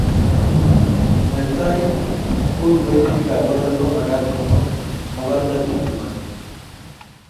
Netai ko kiboitinikab poror komagat komwa mogornondit ngwai